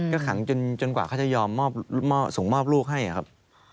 ก็ขังจนกว่าเขาจะยอมส่งมอบลูกให้ครับ